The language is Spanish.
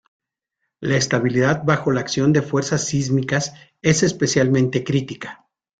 La estabilidad bajo la acción de fuerzas sísmicas es especialmente crítica.